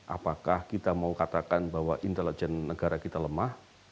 apakah kita mau katakan bahwa intelijen negara kita lemah